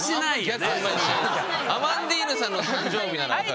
アマンディーヌさんの誕生日なら分かるけど。